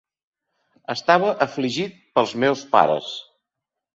Estava afligit pels meus pares.